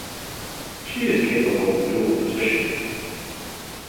She is capable of "dual positioning".